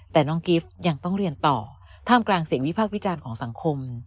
แต่น้องกิฟต์ยังต้องเรียนต่อท่ามกลางเสียงวิพากษ์วิจารณ์ของสังคม